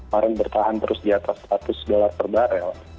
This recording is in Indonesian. maret bertahan terus di atas seratus dolar per barel